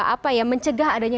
apa ya mencegah adanya